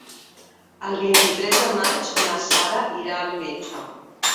El vint-i-tres de maig na Sara irà al metge.